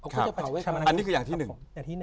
ครับอันนี้คืออย่างที่๑